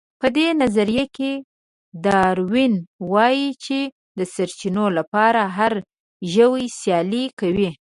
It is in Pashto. په دې نظريه کې داروېن وايي چې د سرچينو لپاره هر ژوی سيالي کوي.